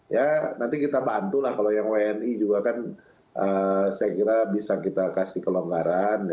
ya nanti kita bantu lah kalau yang wni juga kan saya kira bisa kita kasih kelonggaran